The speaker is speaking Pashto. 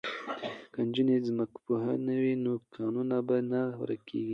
که نجونې ځمکپوهې وي نو کانونه به نه ورکیږي.